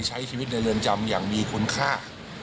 ใช้ชีวิตในเรือนจำอย่างมีคุณค่า